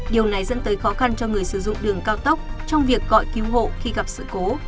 điều này dẫn tới khó khăn cho người sử dụng đường cao tốc trong việc gọi cứu hộ khi gặp sự cố